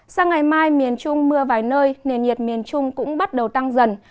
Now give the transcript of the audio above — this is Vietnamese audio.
sang ngày mai miền trung mưa vài nơi nền nhiệt miền trung cũng bắt đầu tăng dần